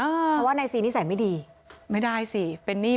เพราะว่านายซีนิสัยไม่ดีไม่ได้สิเป็นหนี้